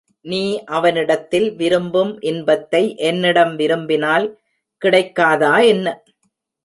நீ அவனிடத்தில் விரும்பும் இன்பத்தை என்னிடம் விரும்பினால் கிடைக்காதா என்ன?